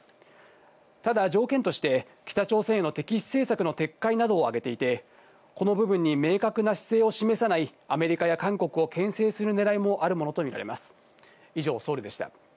ただ条件として北朝鮮への敵視政策の撤回などを挙げていて、この部分に明確な姿勢を示さないアメリカや韓国を牽制するねらいもあるものとみられます。